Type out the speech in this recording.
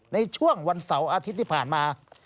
ในช่วงวันเสาร์อาทิตย์ที่ผ่านมา